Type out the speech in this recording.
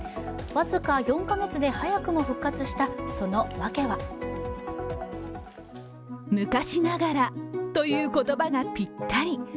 僅か４カ月で早くも復活したその訳は昔ながらという言葉がピッタリ。